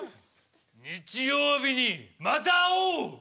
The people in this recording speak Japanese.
日曜日にまた会おう！